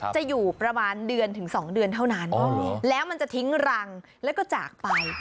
จะอยู่ประมาณเดือนถึง๒เดือนเท่านั้นแล้วมันจะทิ้งรังแล้วก็จากไป